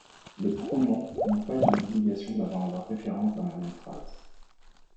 Les pronoms n'ont pas une obligation d'avoir leur référence dans la même phrase.